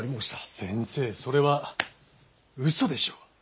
先生それは嘘でしょう。